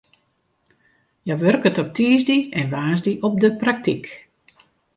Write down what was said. Hja wurket op tiisdei en woansdei op de praktyk.